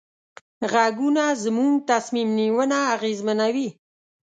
غږونه زموږ تصمیم نیونه اغېزمنوي.